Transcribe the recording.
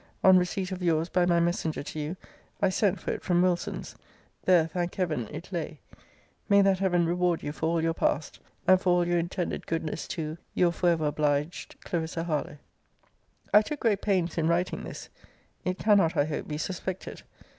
On receipt of your's by my messenger to you, I sent for it from Wilson's. There, thank Heaven! it lay. May that Heaven reward you for all your past, and for all your intended goodness to Your for ever obliged, CL. HARLOWE. I took great pains in writing this. It cannot, I hope, be suspected.